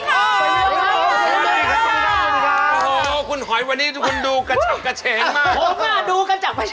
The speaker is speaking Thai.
สวัสดีครับสวัสดีครับ